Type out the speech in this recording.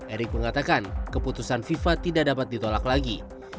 erick mengatakan keputusan fifa tidak dapat ditolak lagi